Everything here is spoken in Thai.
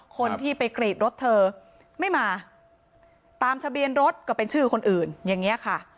คนที่ไปกรีดรถเธอไม่มาตามทะเบียนรถก็เป็นชื่อคนอื่นอย่างนี้ค่ะ